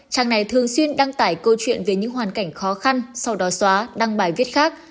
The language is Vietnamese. trang này thường xuyên đăng tải câu chuyện về những hoàn cảnh khó khăn sau đó xóa đăng bài viết khác